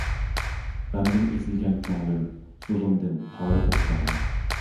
غەمدىن ئېزىلگەن كۆڭلۈم، زۇلۇمدىن پارىدۇر كۆڭلۈم.